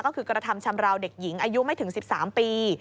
ก็คือกระทำชำราวเด็กหญิงอายุไม่ถึง๑๓ปี